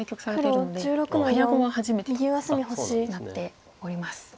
早碁は初めてとなっております。